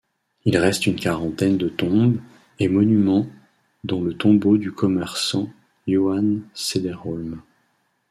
Il reste une quarantaine de tombes et monumentsdont le tombeau du commerçant Johan Sederholm.